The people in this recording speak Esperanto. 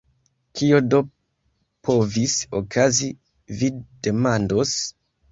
Kio do povis okazi, vi demandos.